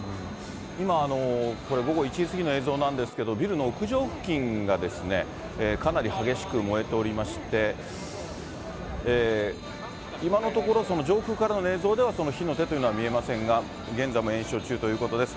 今、これ、午後１時過ぎの映像なんですけど、ビルの屋上付近がかなり激しく燃えておりまして、今のところ、上空からの映像ではその火の手というのは見えませんが、現在も延焼中ということです。